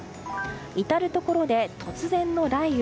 至るところで突然の雷雨。